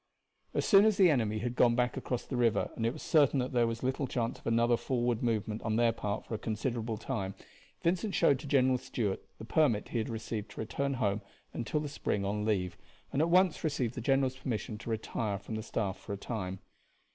As soon as the enemy had gone back across the river and it was certain that there was little chance of another forward movement on their part for a considerable time, Vincent showed to General Stuart the permit he had received to return home until the spring on leave, and at once received the general's permission to retire from the staff for a time.